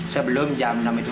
sebelum jam enam itu